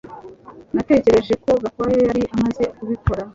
Natekereje ko Gakwaya yari amaze kubikora